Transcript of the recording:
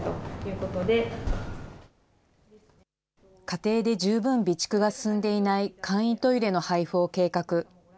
家庭で十分備蓄が進んでいない簡易トイレの配付を計画。